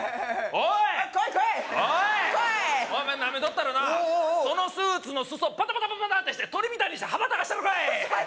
お前ナメとったらそのスーツの裾バタバタバタってして鳥みたいにして羽ばたかしたろかい！